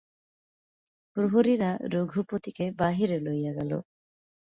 প্রহরীরা রঘুপতিকে বাহিরে লইয়া গেল।